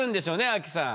アキさん。